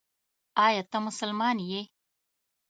ایا ته مسلمان یې ؟